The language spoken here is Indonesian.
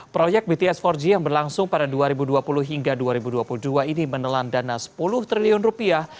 proyek bts empat g yang berlangsung pada dua ribu dua puluh hingga dua ribu dua puluh dua ini menelan dana sepuluh triliun rupiah